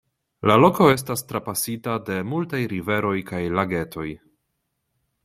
La loko estas trapasita de multaj riveroj kaj lagetoj.